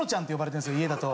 家だと。